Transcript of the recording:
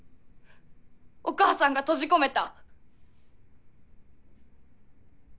お母さんが閉じ込めた。